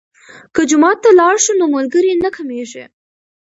که جومات ته لاړ شو نو ملګري نه کمیږي.